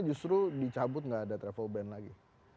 justru dicabut nggak ada travel ban lagi